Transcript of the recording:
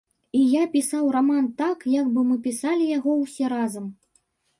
І я пісаў раман так, як бы мы пісалі яго ўсе разам.